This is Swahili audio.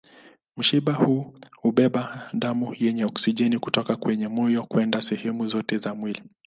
Mshipa huu hubeba damu yenye oksijeni kutoka kwenye moyo kwenda sehemu zote za mwili.